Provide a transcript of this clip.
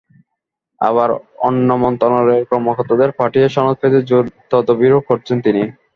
আবার অন্য মন্ত্রণালয়ের কর্মকর্তাদের পাঠিয়ে সনদ পেতে জোর তদবিরও করছেন তিনি।